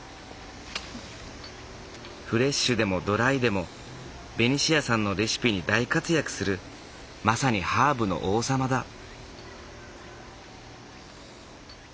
フレッシュでもドライでもベニシアさんのレシピに大活躍するまさにハーブの王様だ。